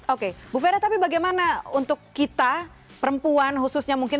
oke bu vera tapi bagaimana untuk kita perempuan khususnya mungkin